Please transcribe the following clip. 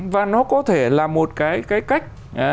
và nó có thể là một cái cách